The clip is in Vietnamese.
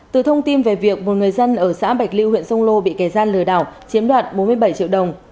từ thông tin về việc một người dân ở xã bạch lưu huyện sông lô bị kẻ gian lừa đảo chiếm đoạt bốn mươi bảy triệu đồng